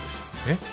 えっ？